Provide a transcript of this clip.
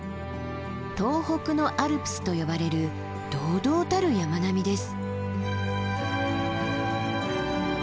東北のアルプスと呼ばれる堂々たる山並みです。